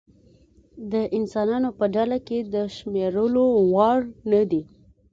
د انسانانو په ډله کې د شمېرلو وړ نه دی.